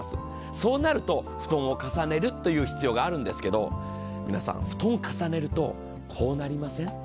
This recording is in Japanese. そうなると布団を重ねる必要があるんですけれども、皆さん、布団重ねるとこうなりません？